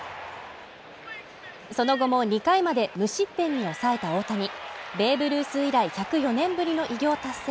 その後も２回まで無失点に抑えた大谷ベーブ・ルース以来１０４年ぶりの偉業達成